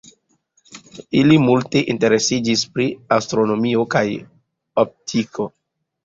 Ili multe interesiĝis pri astronomio kaj optiko.